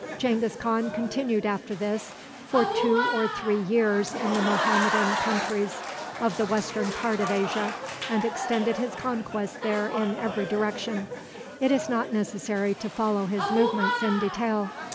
Genghis Khan continued after this for two or three years in the Mohammedan countries of the western part of Asia, and extended his conquests there in every direction. It is not necessary to follow his movements in detail.